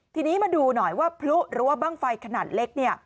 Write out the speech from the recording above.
ทีนี้มาดูหน่อยว่าพลุรั้วบ้างไฟขนาดเล็ก